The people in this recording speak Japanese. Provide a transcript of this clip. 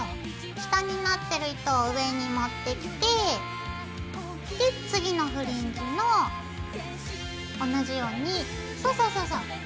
下になってる糸を上に持ってきて次のフリンジの同じようにそうそうそうそう。